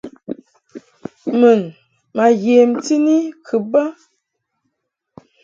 Mun ma yemti ni kɨ bə.